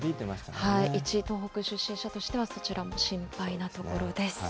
一東北出身者としては、そちらも心配なところです。